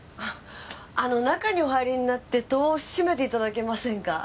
あの中にお入りになって戸を閉めていただけませんか？